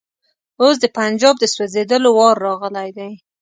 اوس د پنجاب د سوځېدلو وار راغلی دی.